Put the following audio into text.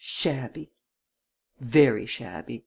Shabby!" "Very shabby!"